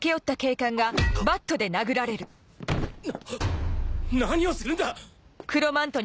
なっ何をするんだ？